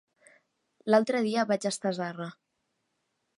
L'altre dia vaig estar a Zarra.